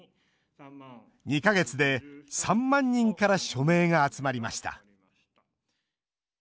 ２か月で３万人から署名が集まりました。